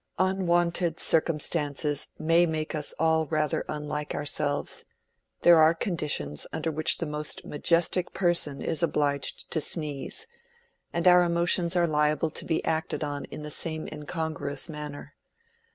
Unwonted circumstances may make us all rather unlike ourselves: there are conditions under which the most majestic person is obliged to sneeze, and our emotions are liable to be acted on in the same incongruous manner.